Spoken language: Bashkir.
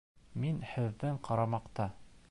Мин һеҙҙең ҡарамаҡта.